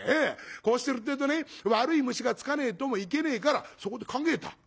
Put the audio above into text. こうしてるってえとね悪い虫がつかねえともいけねえからそこで考えた。